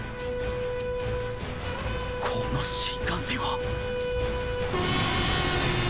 この新幹線は！